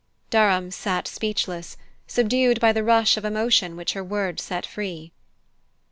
Durham sat speechless, subdued by the rush of emotion which her words set free.